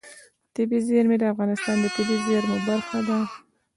طبیعي زیرمې د افغانستان د طبیعي زیرمو برخه ده.